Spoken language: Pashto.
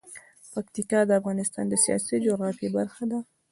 پکتیکا د افغانستان د سیاسي جغرافیه برخه ده.